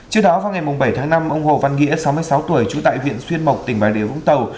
trước đó vào ngày bảy tháng năm ông hồ văn nghĩa sáu mươi sáu tuổi trú tại huyện xuyên mộc tỉnh bà điều vũng tàu